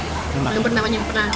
pernah pernahan yang pernah